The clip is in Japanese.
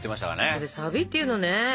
それサビっていうのね。